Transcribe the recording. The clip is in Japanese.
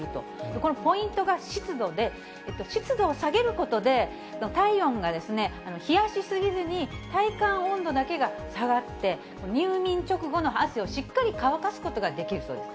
このポイントが湿度で、湿度が下げることで、体温が冷やし過ぎずに、体感温度だけが下がって、入眠直後の汗をしっかり乾かすことができるそうです。